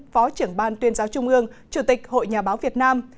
phó trưởng ban tuyên giáo trung ương chủ tịch hội nhà báo việt nam